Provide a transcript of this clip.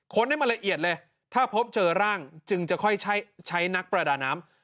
ให้มันละเอียดเลยถ้าพบเจอร่างจึงจะค่อยใช้นักประดาน้ำ